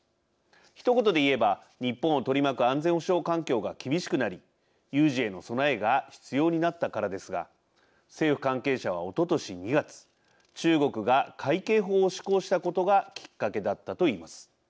ひと言で言えば日本を取り巻く安全保障環境が厳しくなり有事への備えが必要になったからですが政府関係者はおととし２月中国が海警法を施行したことがきっかけだったと言います。